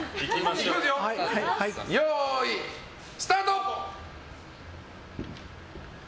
よーい、スタート！